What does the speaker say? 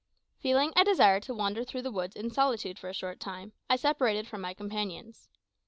Feeling a desire to wander through the woods in solitude for a short time, I separated from my companions.